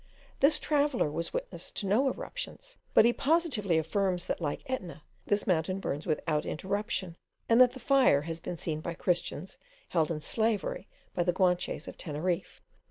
This traveller was witness of no eruptions, but he positively affirms that, like Etna, this mountain burns without interruption, and that the fire has been seen by christians held in slavery by the Guanches of Teneriffe.